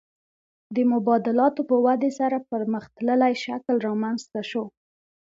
د مبادلاتو په ودې سره پرمختللی شکل رامنځته شو